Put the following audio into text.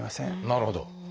なるほど。